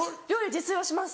自炊はします。